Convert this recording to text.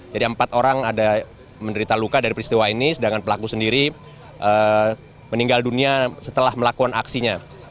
jadi empat orang ada menderita luka dari peristiwa ini sedangkan pelaku sendiri meninggal dunia setelah melakukan aksinya